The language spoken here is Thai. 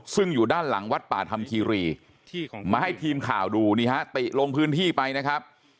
ซึ่งอยู่ด้านหลังวัดป่าธรรมคีรีมาให้ทีมข่าวดูนี่ฮะติลงพื้นที่ไปนะครับ